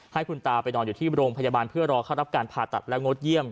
ให้คุณตาไปนอนอยู่ที่โรงพยาบาลเพื่อรอเข้ารับการผ่าตัดและงดเยี่ยม